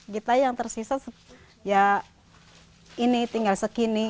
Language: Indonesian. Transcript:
kita yang tersisa ya ini tinggal segini